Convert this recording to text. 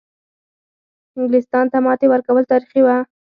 انګلیستان ته ماتې ورکول تاریخي وه.